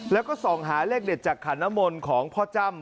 แล้วก็ส่องหาเลขเด็ดจากขันนมลของพ่อจ้ำ